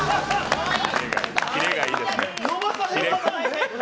キレがいいです。